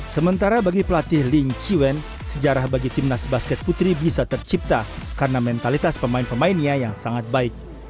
sementara bagi pelatih ling chi wen sejarah bagi timnas basket putri bisa tercipta karena mentalitas pemain pemainnya yang sangat baik